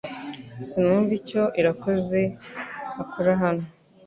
Sinumva icyo Irakoze akora hano